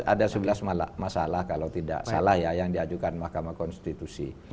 ada sebelas masalah kalau tidak salah ya yang diajukan mahkamah konstitusi